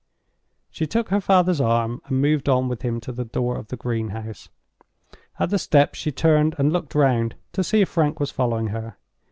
She took her father's arm, and moved on with him to the door of the greenhouse. At the steps, she turned and looked round to see if Frank was following her.